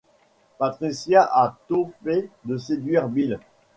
Patricia a tôt fait de séduire Bill.